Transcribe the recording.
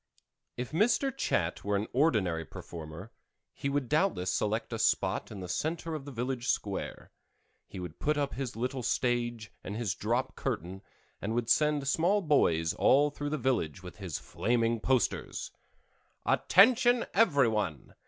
If Mr. Chat were an ordinary performer he would doubtless select a spot in the center of the village square; he would put up his little stage and his drop curtain and would send small boys all through the village with his flaming posters: ATTENTION, EVERY ONE!